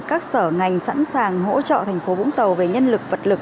các sở ngành sẵn sàng hỗ trợ thành phố vũng tàu về nhân lực vật lực